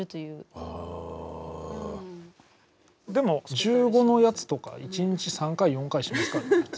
でも１５のやつとか１日３回４回しますからね。